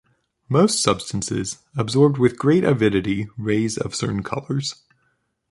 Most substances absorbed with great avidity rays of certain colors.